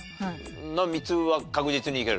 の３つは確実にいける？